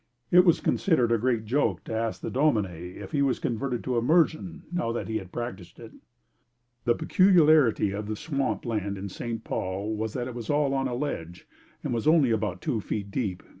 It was considered a great joke to ask the dominie if he was converted to immersion, now that he practiced it. The peculiarity of the swamp land in St. Paul was that it was all on a ledge and was only about two feet deep.